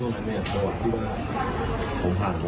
ไม่ไงครับไม่ไงไม่ไงก็คือช่วงไหนเนี่ยจังหวะที่ว่า